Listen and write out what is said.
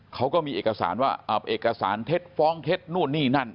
เขาก็มีเอกสารว่าเอาเอกสารเท็จฟ้องเท็จนู่นนี่นั่น